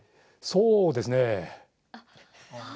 そうですね